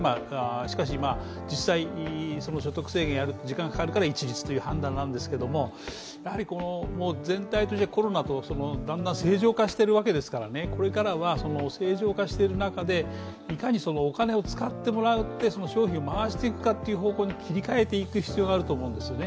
しかし、実際所得制限があると時間がかかるから一律という判断なんですけど全体としてコロナと、だんだん正常化しているわけですから、これからは正常化している中でいかにお金を使ってもらって消費に回してもらうかっていうことに切り替えていく必要があると思うんですね。